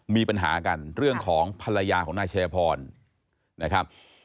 มีปัญหากันเรื่องของภรรยาของนายชายพรนะครับ